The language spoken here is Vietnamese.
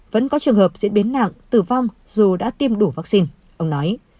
vẫn có trường hợp diễn biến nặng tử vong dù đã tiêm đủ vaccine ông nói